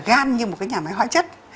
gan như một cái nhà máy hóa chất